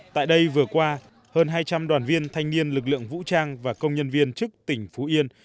tại đây vừa qua hơn hai trăm linh đoàn viên thanh niên lực lượng vũ trang và công nhân viên chức tỉnh phú yên